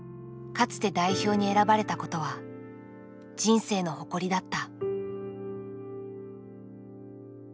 かつて代表に選ばれたことは人生の誇りだった。